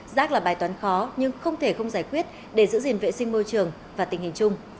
rác là bài toán khó nhưng không thể không giải quyết để giữ gìn vệ sinh môi trường và tình hình chung